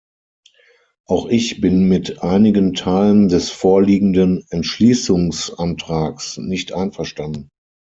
Auch ich bin mit einigen Teilen des vorliegenden Entschließungsantrags nicht einverstanden.